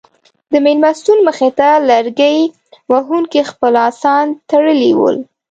د مېلمستون مخې ته لرګي وهونکو خپل اسان تړلي ول.